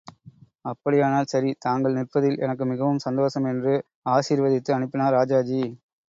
அப்படியானால் சரி, தாங்கள் நிற்பதில் எனக்கு மிகவும் சந்தோஷம் என்று ஆசீர்வதித்து அனுப்பினார் ராஜாஜி.